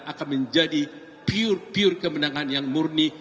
akan menjadi pure pure kemenangan yang murni